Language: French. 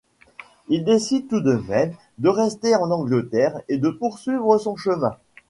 Il décide tout de même de rester en Angleterre et de poursuivre son chemin.